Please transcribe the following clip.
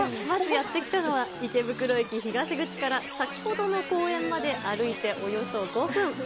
まずやって来たのは、池袋駅東口から先ほどの公園まで歩いておよそ５分。